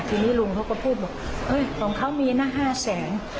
ทีนี้ลุงเขาก็พูดบอกของเขามีนะ๕แสน